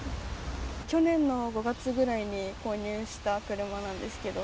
去年の５月ぐらいに購入した車なんですけど。